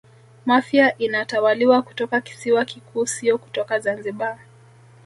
Mafia inatawaliwa kutoka kisiwa kikuu sio kutoka Zanzibar